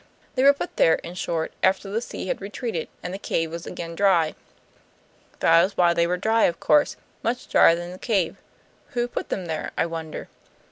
They were put there, in short, after the sea had retreated and the cave was again dry. That is why they were dry; of course, much drier than the cave. Who put them there, I wonder?"